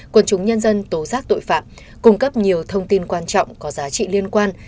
quân chúng nhân dân tố giác tội phạm cung cấp nhiều thông tin quan trọng có giá trị liên quan